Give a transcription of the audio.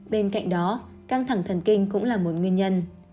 bên cạnh đó căng thẳng thần kinh cũng là một nguyên nhân